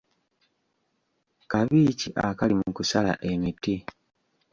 Kabi ki akali mu kusala emiti?